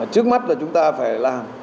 trước mắt là chúng ta phải làm